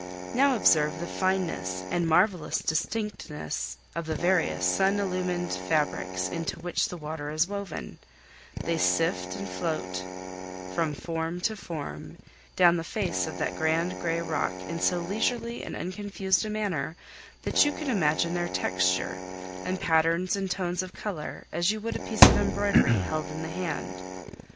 Now observe the fineness and marvelous distinctness of the various sun illumined fabrics into which the water is woven; they sift and float from form to form down the face of that grand gray rock in so leisurely and unconfused a manner that you can examine their texture, and patterns and tones of color as you would a piece of embroidery held in the hand.